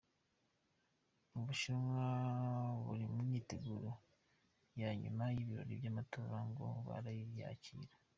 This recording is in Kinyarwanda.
Mu Bushinwa bari mu myiteguro ya nyuma y’ibirori by’amatora, ngo bariyakira.